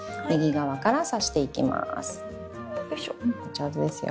上手ですよ。